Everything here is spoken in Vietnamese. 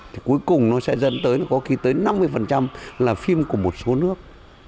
thì cuối cùng nó sẽ dẫn tới có khi tới năm mươi là phim của một số nước